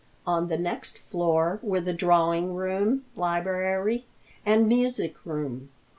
On the next floor were the drawing room, library and music room.